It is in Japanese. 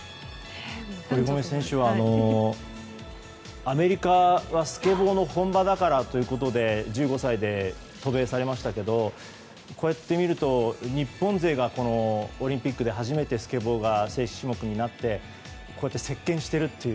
堀米選手は、アメリカはスケボーの本場だからと１５歳で渡米されましたけどこうやってみると日本勢がオリンピックで初めてスケボーが正式種目になって席巻しているという。